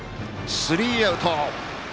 スリーアウト。